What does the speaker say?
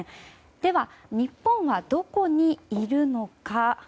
では、日本はどこにいるのか。